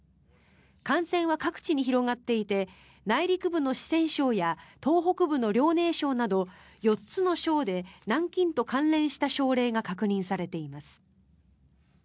感染は各地に広がっていて内陸部の四川省や東北部の遼寧省など４つの省で南京と関連した症例が確認されています。